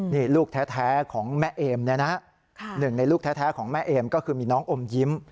นี่ลูกแท้ของแม่เอมเนี่ยนะหนึ่งในลูกแท้ของแม่เอมก็คือมีน้องอมยิ้ม